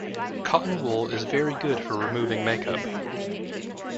Cotton wool is very good for removing make-up